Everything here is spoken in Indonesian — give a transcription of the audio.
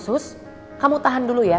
sus kamu tahan dulu ya